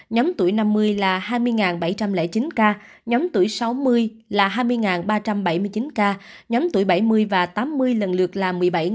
nhóm tuổi năm mươi là hai mươi bảy trăm linh chín ca nhóm tuổi sáu mươi là hai mươi ba trăm bảy mươi chín ca nhóm tuổi bảy mươi và tám mươi lần lượt là một mươi bảy chín trăm bảy mươi hai ca